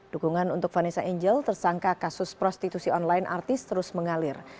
dukungan untuk vanessa angel tersangka kasus prostitusi online artis terus mengalir